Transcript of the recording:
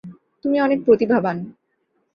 তুমি অনেক প্রতিভাবান।